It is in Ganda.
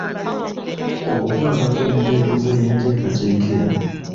Okukwata ku mpeereza y'enteekateeka eno.